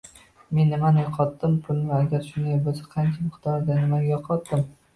Men nimani yoʻqotdim? Pulmi? Agar shunday boʻlsa, qancha miqdorda? Nimaga yoʻqotdim?